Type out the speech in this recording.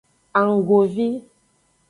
Annggovi.